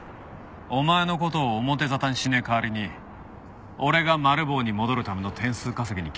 お前の事を表沙汰にしねえ代わりに俺がマル暴に戻るための点数稼ぎに協力しろ。